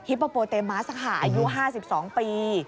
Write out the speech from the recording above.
ฮิปโปรเตมมัสฮาอายุ๕๒ปี